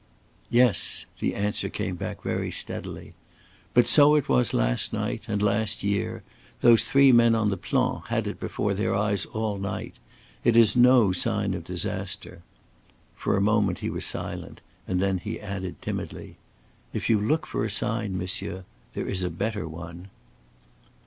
"Yes." The answer came back very steadily. "But so it was last night and last year. Those three men on the Plan had it before their eyes all night. It is no sign of disaster." For a moment he was silent, and then he added timidly: "If you look for a sign, monsieur, there is a better one."